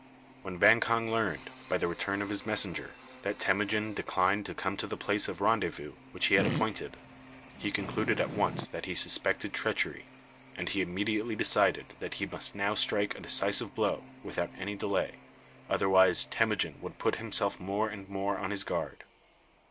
When Vang Khan learned, by the return of his messenger, that Temujin declined to come to the place of rendezvous which he had appointed, he concluded at once that he suspected treachery, and he immediately decided that he must now strike a decisive blow without any delay, otherwise Temujin would put himself more and more on his guard.